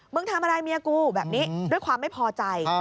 ทำอะไรเมียกูแบบนี้ด้วยความไม่พอใจ